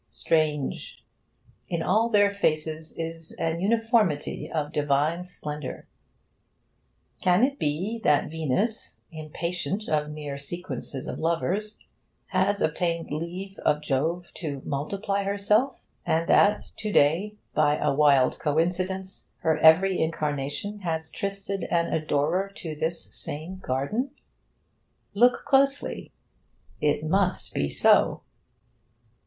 Strange! In all their faces is an uniformity of divine splendour. Can it be that Venus, impatient of mere sequences of lovers, has obtained leave of Jove to multiply herself, and that to day by a wild coincidence her every incarnation has trysted an adorer to this same garden? Look closely! It must be so...